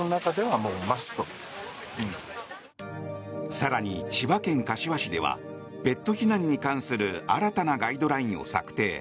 更に、千葉県柏市ではペット避難に関する新たなガイドラインを策定。